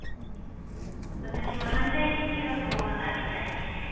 私は犯罪心理学を学びたい。